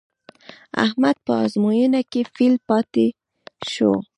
احمد په ازموینه کې فېل پاتې شو.